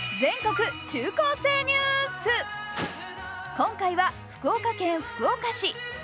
今回は福岡県福岡市。